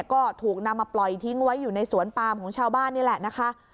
ก็ถูกนำมาปล่อยทิ้งไว้อยู่ในสวนปามของชาวบ้านนี่แหละนะคะ